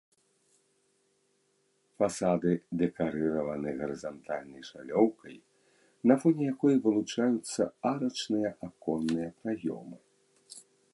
Фасады дэкарыраваны гарызантальнай шалёўкай, на фоне якой вылучаюцца арачныя аконныя праёмы.